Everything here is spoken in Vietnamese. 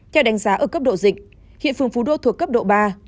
theo đánh giá ở cấp độ dịch hiện phường phú đô thuộc cấp độ ba